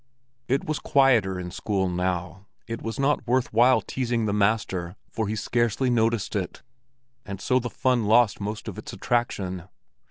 It was quieter in school now. It was not worth while teasing the master, for he scarcely noticed it, and so the fun lost most of its attraction.